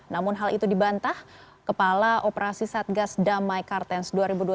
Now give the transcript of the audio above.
namun hal itu dibantah kepala operasi satgas damai kartens dua ribu dua puluh